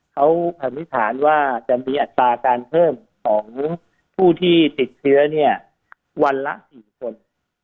เขาสันนิษฐานว่าจะมีอัตราการเพิ่มของผู้ที่ติดเชื้อเนี่ยวันละ๔คน